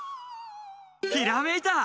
ひらめいた！